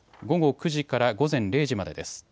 午後９時から午前０時までです。